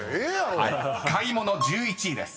［買い物１１位です］